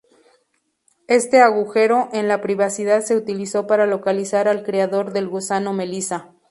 Este agujero en la privacidad se utilizó para localizar al creador del gusano Melissa.